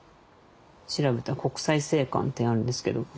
調べたら「国際製缶」ってあるんですけど。